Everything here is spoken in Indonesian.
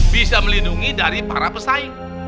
bisa melindungi dari para pesaing